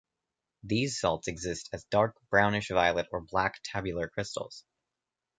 These salts exists as dark brownish-violet or black tabular crystals.